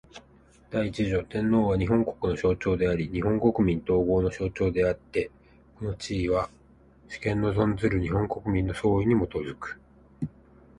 第一条天皇は、日本国の象徴であり日本国民統合の象徴であつて、この地位は、主権の存する日本国民の総意に基く。